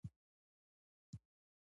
د ښې حل لارې ارزیابي او انتخاب.